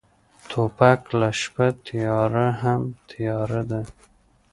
توپک له شپه تیاره هم تیاره دی.